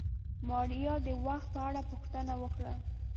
ماريا د وخت په اړه پوښتنه وکړه.